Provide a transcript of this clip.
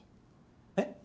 えっ？